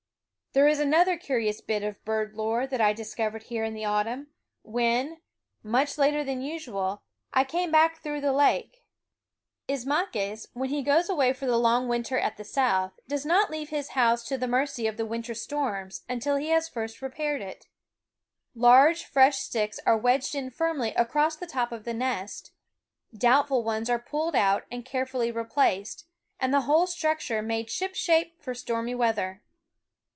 There is another curious bit of bird lore that I discovered here in the autumn, when, much later than usual, I came back through the lake. Ismaques, when he goes away for the long winter at the South, does not leave THE WOODS his house to the mercy of the winter storms until he has first repaired it. Large fresh sticks are wedged in firmly across the top of the nest; doubtful ones are pulled out and carefully replaced, and the whole structure made shipshape for stormy weather.